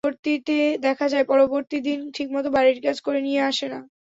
দেখা যায়, পরবর্তী দিন ঠিকমতো বাড়ির কাজ করে নিয়ে আসে না।